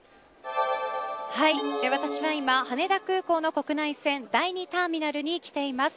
私は今、羽田空港の国内線第２ターミナルに来ています。